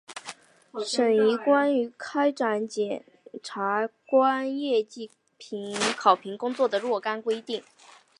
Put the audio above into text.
审议关于开展检察官业绩考评工作的若干规定